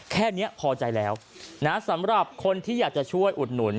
แค่นี้พอใจแล้วนะสำหรับคนที่อยากจะช่วยอุดหนุน